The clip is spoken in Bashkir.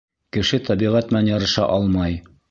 Кеше тәбиғәт менән ярыша алмай...